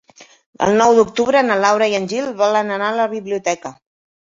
El nou d'octubre na Laura i en Gil volen anar a la biblioteca.